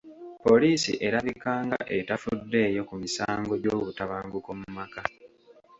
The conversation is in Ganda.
Poliisi erabika nga etafuddeeyo ku misango gy'obutabanguko mu maka.